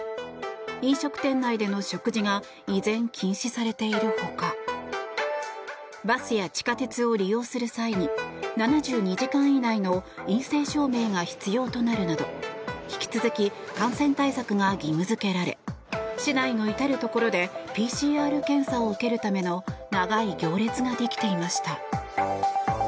飲食店内での食事が依然、禁止されているほかバスや地下鉄を利用する際に７２時間以内の陰性証明が必要となるなど引き続き感染対策が義務付けられ市内の至るところでＰＣＲ検査を受けるための長い行列ができていました。